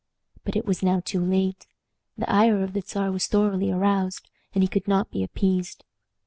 But it was now too late. The ire of the Czar was thoroughly aroused, and he could not be appeased.